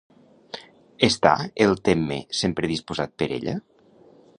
Està el Temme sempre dispost per ella?